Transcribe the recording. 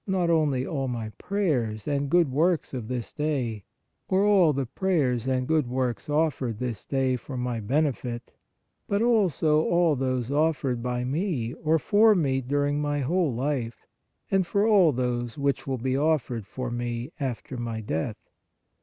> not only all my prayers and good works of this day, or all the prayers and good works offered this day for my benefit, but also all those offered by me or for me during my whole life, and all those which will be offered for me after my death.